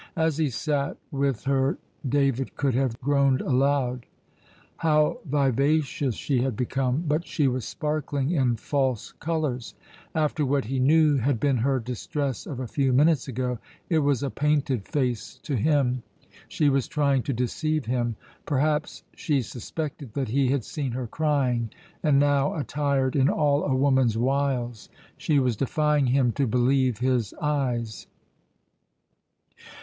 As he sat with her David could have groaned aloud. How vivacious she had become! but she was sparkling in false colours. After what he knew had been her distress of a few minutes ago, it was a painted face to him. She was trying to deceive him. Perhaps she suspected that he had seen her crying, and now, attired in all a woman's wiles, she was defying him to believe his eyes.